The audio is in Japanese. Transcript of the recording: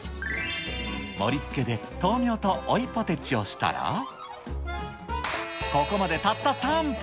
盛りつけで豆苗と追いポテチをしたら、ここまでたった３分。